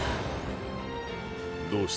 どうした？